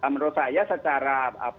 menurut saya secara